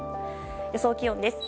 予想気温です。